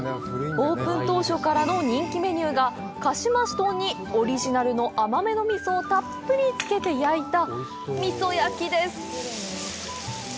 オープン当初からの人気メニューがかしまし豚にオリジナルの甘めの味噌をたっぷりつけて焼いた味噌焼きです。